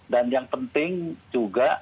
dan yang penting juga